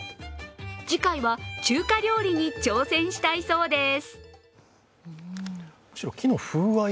次回は中華料理に挑戦したいそうです。